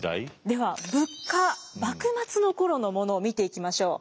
では物価幕末の頃のものを見ていきましょう。